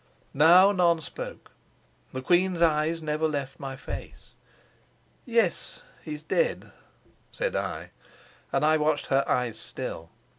Now none spoke. The queen's eyes never left my face. "Yes, he's dead." said I; and I watched her eyes still.